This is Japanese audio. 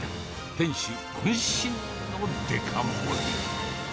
店主こん身のデカ盛り。